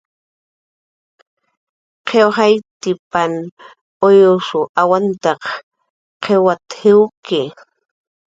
"Qiw jayptipan uyws awantaq qiwat"" jiwki "